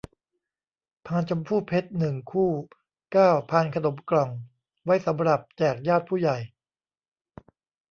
พานชมพู่เพชร หนึ่ง คู่ เก้า พานขนมกล่อง ไว้สำหรับแจกญาติผู้ใหญ่